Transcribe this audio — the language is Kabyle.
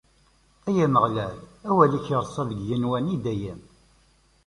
Ay Ameɣlal, awal-ik ireṣṣa deg yigenwan, i dayem!